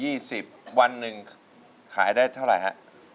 แปดคู่๒๐วันหนึ่งขายได้เท่าไหร่ฮะ